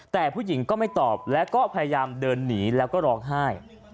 แต่ผู้หญิงก็ไม่ตอบแล้วก็พยายามเดินหนีแล้วก็ร้องไห้